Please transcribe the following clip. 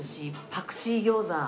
パクチー餃子。